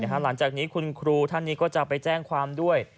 หลังจากนี้คุณครูท่านนี้ก็จะไปแจ้งความด้วย